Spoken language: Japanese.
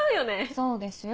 そうですよ